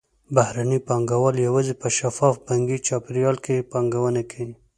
بهرني پانګهوال یوازې په شفاف بانکي چاپېریال کې پانګونه کوي.